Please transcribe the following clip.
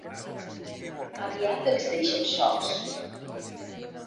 Aviat els deixen sols.